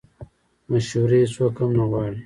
مشورې هیڅوک هم نه غواړي